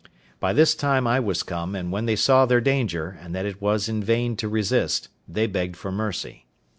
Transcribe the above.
By this time I was come; and when they saw their danger, and that it was in vain to resist, they begged for mercy.